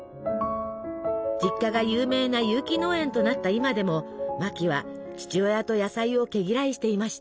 実家が有名な有機農園となった今でもマキは父親と野菜を毛嫌いしていました。